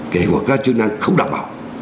kể cả các chức năng không đảm bảo